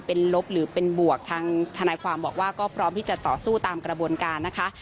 เป็นลบหรือเป็นบวกทางทนายความบอกว่าก็พร้อมที่จะต่อสู้ตามกระบวนการนะคะ